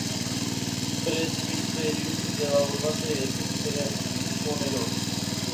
Պրեսբիտերիումը ձևավորված է երկու ֆրեսկոներով։